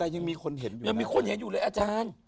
แต่ยังมีคนเห็นอยู่เลยอาจารย์